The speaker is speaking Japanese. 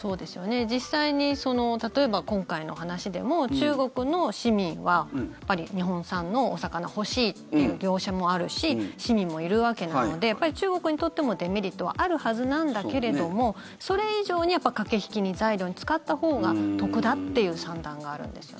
実際に例えば今回の話でも中国の市民は日本産のお魚欲しいっていう業者もあるし市民もいるわけなので中国にとっても、デメリットはあるはずなんだけれどもそれ以上に駆け引き材料に使ったほうが得だっていう算段があるんですよね。